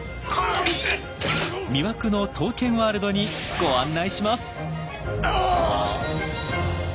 魅惑の刀剣ワールドにご案内します！